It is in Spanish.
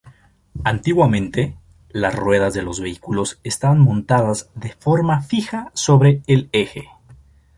Antiguamente, las ruedas de los vehículos estaban montadas de forma fija sobre el eje.